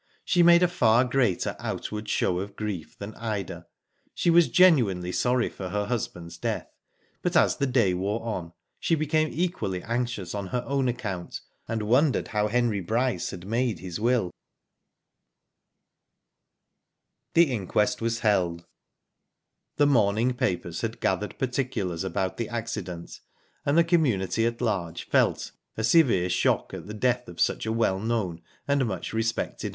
She made a far greater outward show of grief than Ida. She was genuinely sorry for her husband's death, but as the day wore on, she became equally anxious on her own account, and wondered how Henry Bryce had made his will. The inquest was held. The morning papers had gathered particulars about the accident, and Digitized byGoogk 24 IVHO DID IT? the community at large felt a severe shock at the death of such a well known and much respected